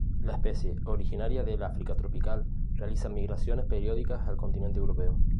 La especie, originaria del África tropical, realiza migraciones periódicas al continente europeo.